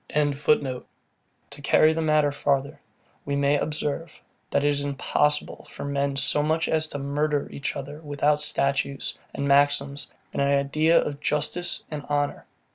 ] To carry the matter farther, we may observe, that it is impossible for men so much as to murder each other without statutes, and maxims, and an idea of justice and honour.